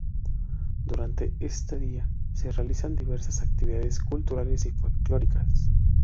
Durante esta día se realizan diversas actividades culturales y folklóricas.